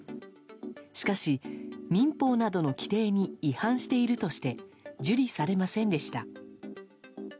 しかし、民法などの規定に違反しているとして受理されませんでした。